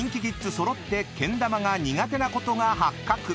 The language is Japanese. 揃ってけん玉が苦手なことが発覚］